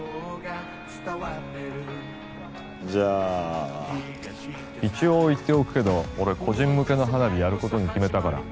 じゃあ一応言っておくけど俺個人向けの花火やる事に決めたから。